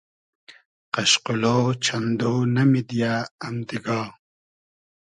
قئشقولۉ چئندۉ نۂ میدیۂ ام دیگا